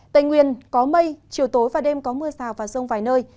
tây nguyên có mây chiều tối và đêm có mưa rào và rông vài nơi